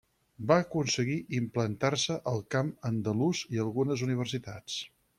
Va aconseguir implantar-se al camp andalús i algunes universitats.